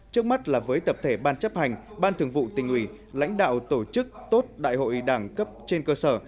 trước mắt là với tập thể ban chấp hành ban thường vụ tỉnh ủy lãnh đạo tổ chức tốt đại hội đảng cấp trên cơ sở